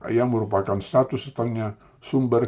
ia merupakan satu setengah sumber